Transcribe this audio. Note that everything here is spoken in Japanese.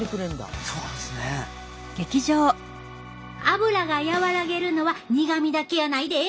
アブラが和らげるのは苦みだけやないで。